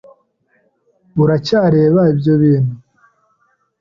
Uracyareba ibyo bintu?